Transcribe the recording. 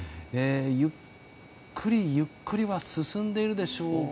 ゆっくり、ゆっくりは進んではいるでしょうか。